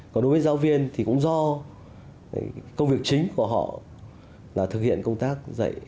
còn đối với giáo viên thì cũng do công việc chính của họ là thực hiện công tác dạy